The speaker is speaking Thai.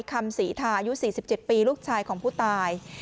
คำศรีทาอายุ๔๗ปีลูกชายของผู้ตาย